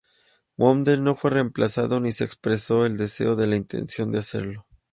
Bowden no fue reemplazado ni se expresó el deseo de la intención de hacerlo.